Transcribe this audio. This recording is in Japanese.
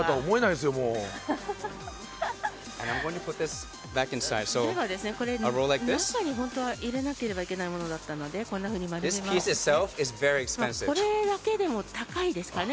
では中に入れなくければいけないものだったのでこんなふうに丸めますね。